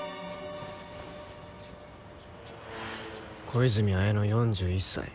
小泉文乃４１歳。